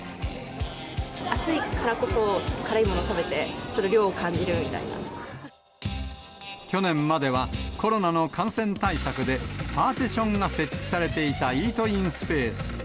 暑いからこそ、ちょっと辛いもの食べて、去年までは、コロナの感染対策で、パーテションが設置されていたイートインスペース。